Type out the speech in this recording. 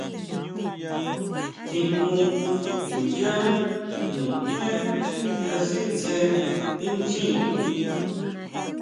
Tjiún chuyá nijmé nya sitsé inchjín.